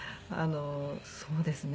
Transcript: そうですね。